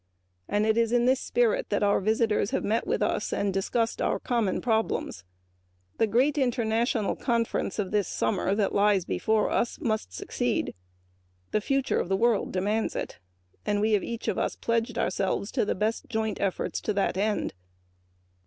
It is in this spirit that our visitors have met with us and discussed our common problems. The international conference that lies before us must succeed. The future of the world demands it and we have each of us pledged ourselves to the best joint efforts to this end.